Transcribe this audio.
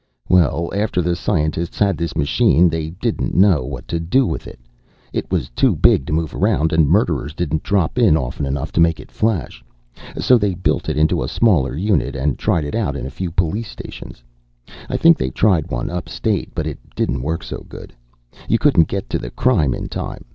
"Well, after the scientists had this machine, they didn't know what to do with it. It was too big to move around, and murderers didn't drop in often enough to make it flash. So they built it into a smaller unit and tried it out in a few police stations. I think they tried one upstate. But it didn't work so good. You couldn't get to the crime in time.